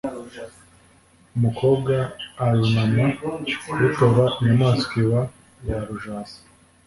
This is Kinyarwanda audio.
umukobwa arunama kurutora inyamanza iba yarujase,